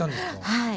はい。